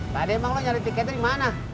pademang lo nyari tiketnya dimana